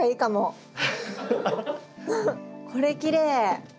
これきれい！